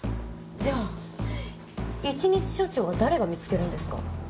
じゃあ１日署長は誰が見つけるんですか？